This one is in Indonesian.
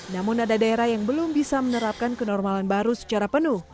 namun ada daerah yang belum bisa menerapkan kenormalan baru secara penuh